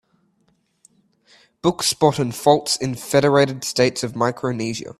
Book spot in Fults in Federated States Of Micronesia